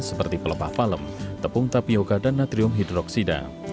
seperti pelepah palem tepung tapioca dan natrium hidroksida